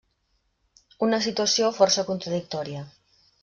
Una situació força contradictòria.